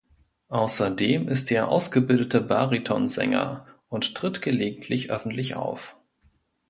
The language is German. Außerdem ist er ausgebildeter Bariton-Sänger und tritt gelegentlich öffentlich auf.